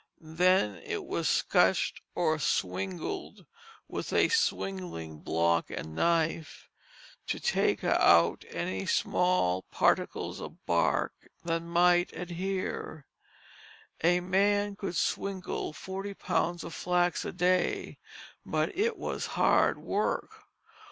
Then it was scutched or swingled with a swingling block and knife, to take out any small particles of bark that might adhere. A man could swingle forty pounds of flax a day, but it was hard work.